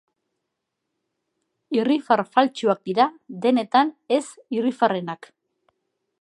Irrifar faltsuak dira denetan ez-irrifarrenak.